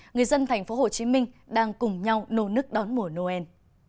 người dân tp hcm đang cùng nhau nổ nức đón mùa noel